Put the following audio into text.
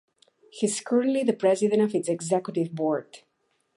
He is currently the president of its executive board.